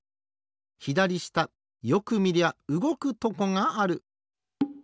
ひだりしたよくみりゃうごくとこがある。